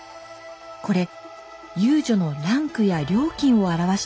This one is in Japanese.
これ遊女のランクや料金を表しています。